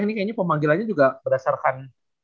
ini kayaknya pemanggilannya juga berdasarkan